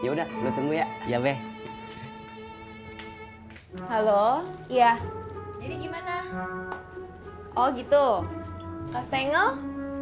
saya sudah makasih ya udah lu tunggu ya ya be halo halo iya jadi gimana oh gitu pasengel